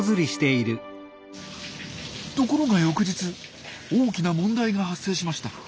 ところが翌日大きな問題が発生しました。